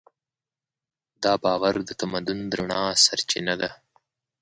دا باور د تمدن د رڼا سرچینه ده.